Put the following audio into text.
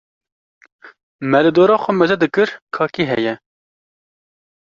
me li dora xwe mêzedikir ka kî heye.